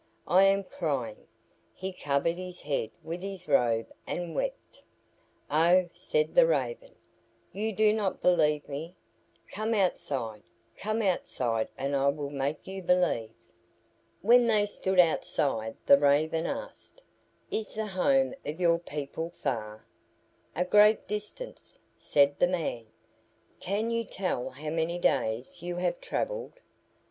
I am crying." He covered his head with his robe and wept. "Oh," said the Raven, "you do not believe me. Come outside, come outside, and I will make you believe." When they stood outside the Raven asked, "Is the home of your people far?" "A great distance," said the man. "Can you tell how many days you have travelled?"